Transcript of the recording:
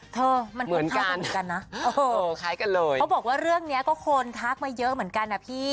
เธอมันเหมือนกันนะเขาบอกว่าเรื่องนี้ก็คนทักมาเยอะเหมือนกันนะพี่